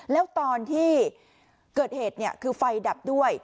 แล้วตอนที่เกิดเหตุคือไฟดับด้วย